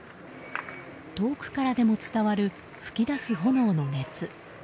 遠くからでも伝わる噴き出す炎の熱。